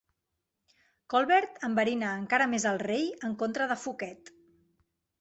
Colbert enverina encara més al rei en contra de Fouquet.